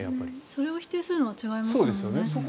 それを否定するのは違いますもんね。